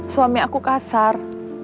suami aku kasar